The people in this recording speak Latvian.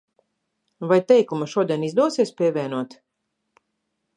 Vai teikumu šodien izdosies pievienot?